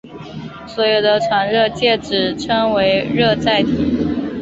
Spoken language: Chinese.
所用的传热介质称为热载体。